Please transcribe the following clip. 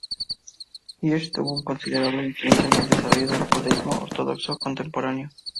Hirsch tuvo una considerable influencia en desarrollo del judaísmo ortodoxo contemporáneo.